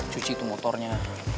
cuci tuh motornya